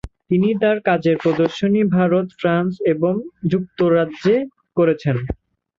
তিনি তাঁর কাজের প্রদর্শনী ভারত, ফ্রান্স এবং যুক্তরাজ্যে করেছেন।